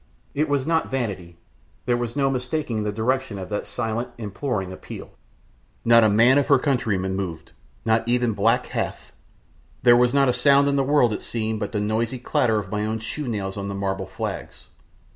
It was not vanity. There was no mistaking the direction of that silent, imploring appeal. Not a man of her countrymen moved, not even black Hath! There was not a sound in the world, it seemed, but the noisy clatter of my own shoenails on the marble flags.